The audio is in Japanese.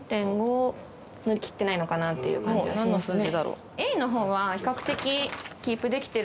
３．５乗り切ってないのかなっていう感じはしますね。